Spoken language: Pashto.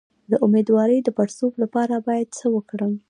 د امیدوارۍ د پړسوب لپاره باید څه وکړم؟